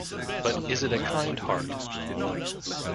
But is it a kind heart?